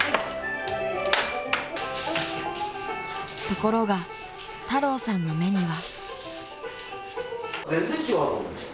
［ところが太郎さんの目には］